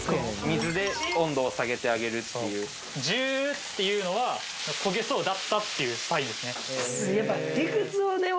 水で温度を下げてあげるっていうジューっていうのは焦げそうだったっていうサインですね